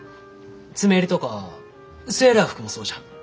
詰め襟とかセーラー服もそうじゃ。